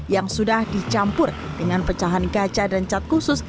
yang sudah dicampur dengan pecahan kaca dan cat khusus